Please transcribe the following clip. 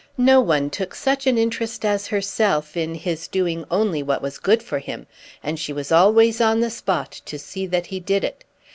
No one took such an interest as herself in his doing only what was good for him, and she was always on the spot to see that he did it.